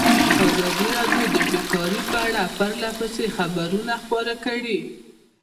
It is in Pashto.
ازادي راډیو د بیکاري په اړه پرله پسې خبرونه خپاره کړي.